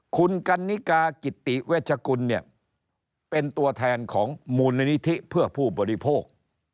คุณกันนิกากิติเวชกุลเนี่ยเป็นตัวแทนของมูลนิธิเพื่อผู้บริโภค